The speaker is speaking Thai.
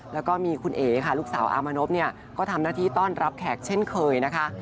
แล้วก็มีคุณเอ๋ค่ะลูกสาวอามนพเนี่ยก็ทำหน้าที่ต้อนรับแขกเช่นเคยนะคะ